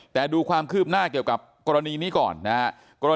แต่ดูความคืบหน้าเกี่ยวกับกรณีนี้ก่อนนะครับ